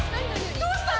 どうしたの？